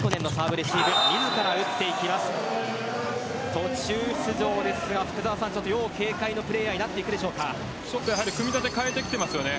途中出場ですが要警戒のプレーヤーに組み立てを変えてきていますよね。